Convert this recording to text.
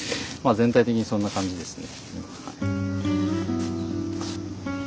全体的にそんな感じですね。